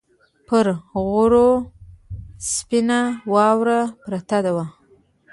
پر غرو سپینه واوره پرته وه